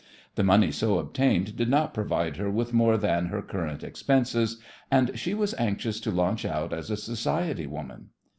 The money so obtained did not provide her with more than her current expenses, and she was anxious to launch out as a society woman.